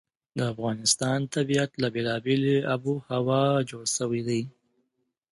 د افغانستان طبیعت له بېلابېلې آب وهوا جوړ شوی دی.